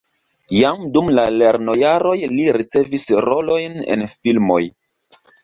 Jam dum la lernojaroj li ricevis rolojn en filmoj.